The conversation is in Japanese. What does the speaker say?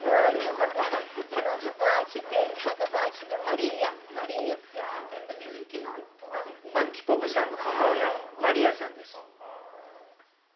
アンティポブさんの母親、マリアさんです。